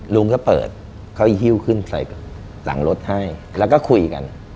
ลุงก็เปิดเขาหิ้วขึ้นใส่หลังรถให้แล้วก็คุยกัน